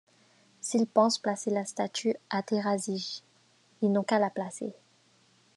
S’il pense placer la statue à Terazije, ils n’ont qu’à la placer.